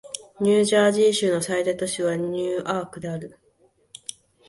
ニュージャージー州の最大都市はニューアークである